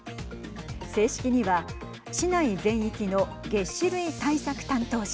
正式には市内全域のげっ歯類対策担当者。